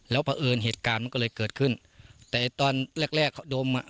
แล้วเพราะเอิญเหตุการณ์มันก็เลยเกิดขึ้นแต่ตอนแรกแรกเขาดมอ่ะ